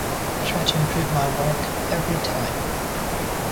I try to improve my work every time.